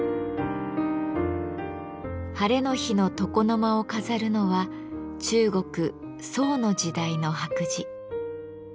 ハレの日の床の間を飾るのは中国・宋の時代の白磁。